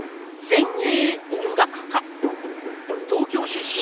東京出身。